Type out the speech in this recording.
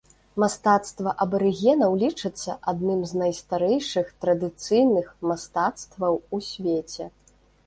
Мастацтва абарыгенаў лічыцца адным з найстарэйшых традыцыйных мастацтваў у свеце.